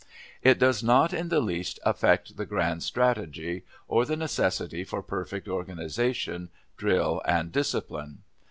It does not in the least affect the grand strategy, or the necessity for perfect organization, drill, and discipline.